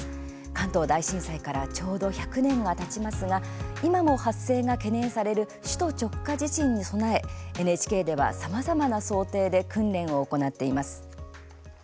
関東大震災からちょうど１００年がたちますが今も発生が懸念される首都直下地震に備えＮＨＫでは、さまざまな想定で訓練を行っています。